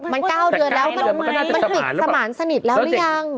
มัน๙เดือนแล้วมันปิดสมานสนิทแล้วหรือยัง